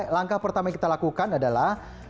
langkah pertama yang kita lakukan adalah